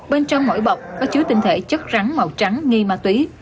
bên trong mỗi bọc có chứa tinh thể chất rắn màu trắng nghi ma túy